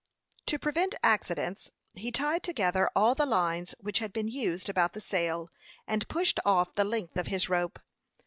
To prevent accidents, he tied together all the lines which had been used about the sail, and pushed off the length of his rope.